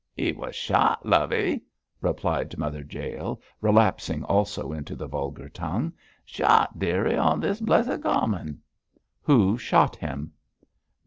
'He was shot, lovey,' replied Mother Jael, relapsing also into the vulgar tongue; 'shot, dearie, on this blessed common.' 'Who shot him?'